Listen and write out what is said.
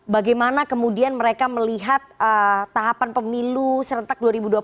bagaimana kemudian mereka melihat tahapan pemilu serentak dua ribu dua puluh empat